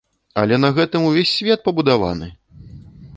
Але на гэтым увесь свет пабудаваны!